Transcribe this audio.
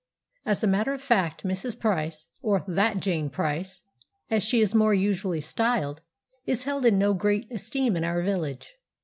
As a matter of fact, Mrs. Price, or "that Jane Price," as she is more usually styled, is held in no great esteem in our village.